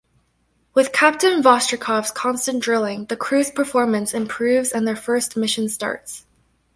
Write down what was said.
With Captain Vostrikov's constant drilling, the crew's performance improves and their first mission starts.